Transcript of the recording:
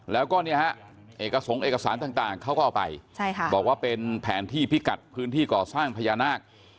แล้วก็เนี่ยฮะเอกสงค์เอกสารต่างเขาก็เอาไปบอกว่าเป็นแผนที่พิกัดพื้นที่ก่อสร้างพญานาค